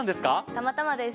たまたまです。